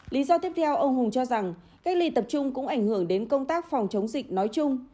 lý do tiếp theo ông hùng cho rằng cách ly tập trung cũng ảnh hưởng đến công tác phòng chống dịch nói chung